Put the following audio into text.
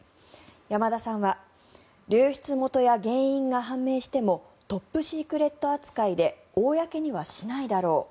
山田さんは流出元や原因が判明してもトップシークレット扱いで公にはしないだろう。